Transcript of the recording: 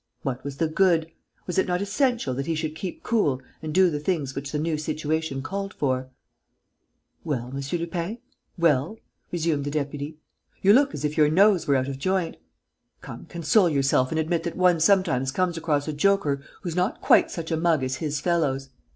What was the good? Was it not essential that he should keep cool and do the things which the new situation called for? "Well, M. Lupin, well?" resumed the deputy. "You look as if your nose were out of joint. Come, console yourself and admit that one sometimes comes across a joker who's not quite such a mug as his fellows.